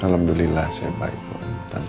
alhamdulillah saya baik pun tante